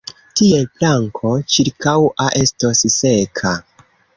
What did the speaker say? Tiel planko ĉirkaŭa estos seka!